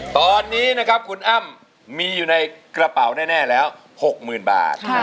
ตอนนี้นะครับคุณอ้ำมีอยู่ในกระเป๋าแน่แล้ว๖๐๐๐บาท